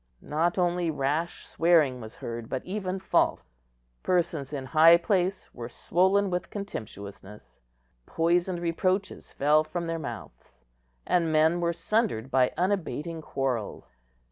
Not only rash swearing was heard, but even false; persons in high place were swollen with contemptuousness; poisoned reproaches fell from their mouths, and men were sundered by unabating quarrels.